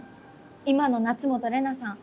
今の夏本レナさん